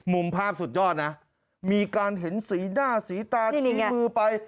มุมภาพสุดยอดนะมีการเห็นสีหน้าสีตาฝีมือไป